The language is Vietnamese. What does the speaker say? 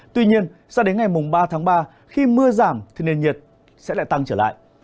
tuy nhiên sau đến ngày ba tháng ba khi mưa giảm thì nền nhiệt sẽ lại tăng trở lại